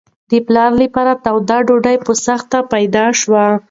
د پلار لپاره توده ډوډۍ په سختۍ پیدا شوه.